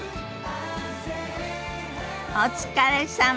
お疲れさま。